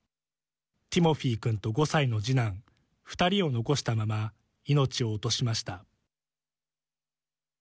ティモフィ君と５歳の次男２人を残したまま命を落としました。